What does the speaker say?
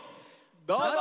どうぞ！